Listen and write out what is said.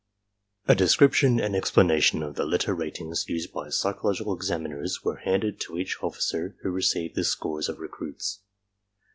A description and explanation of the letter ratings used by psychological examiners were handed to each officer who received the scores of recruits.